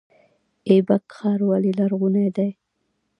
ایبک ښار ولې لرغونی دی؟